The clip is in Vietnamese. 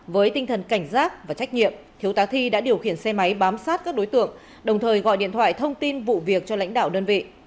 với tinh thần cảnh giác và trách nhiệm thiếu tá thi đã điều khiển xe máy bám sát các đối tượng đồng thời gọi điện thoại thông tin vụ việc cho lãnh đạo đơn vị